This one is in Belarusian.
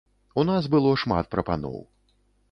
У нас было шмат прапаноў.